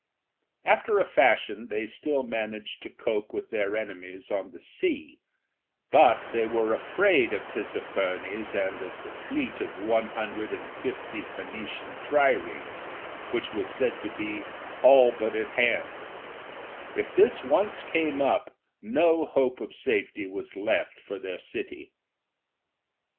After a fashion they still managed to cope with their enemies on the sea, but they were afraid of Tissaphernes and of the fleet of one hundred and fifty Phoenician triremes which was said to be all but at hand; if this once came up, no hope of safety was left for their city.